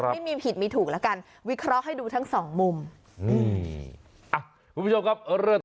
ไม่มีผิดไม่ถูกแล้วกันวิเคราะห์ให้ดูทั้งสองมุมอ่าคุณผู้ชมครับ